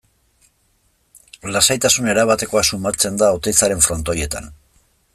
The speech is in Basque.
Lasaitasun erabatekoa sumatzen da Oteizaren Frontoietan.